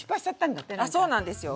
あそうなんですよ。